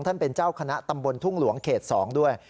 ท่านเป็นเจ้าคณะตำบลทุ่งหลวงเขต๒ด้วย